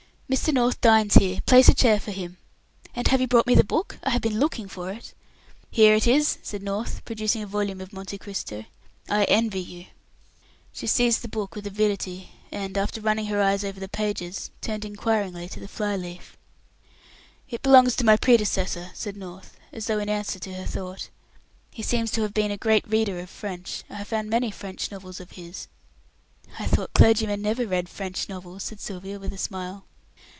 "Mr. North dines here; place a chair for him. And have you brought me the book? I have been looking for it." "Here it is," said North, producing a volume of 'Monte Cristo'. She seized the book with avidity, and, after running her eyes over the pages, turned inquiringly to the fly leaf. "It belongs to my predecessor," said North, as though in answer to her thought. "He seems to have been a great reader of French. I have found many French novels of his." "I thought clergymen never read French novels," said Sylvia, with a smile.